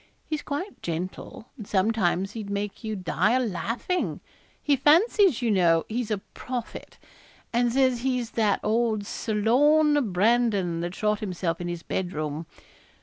He's quite gentle, and sometimes he'd make you die o' laughing. He fancies, you know, he's a prophet; and says he's that old Sir Lorne Brandon that shot himself in his bed room.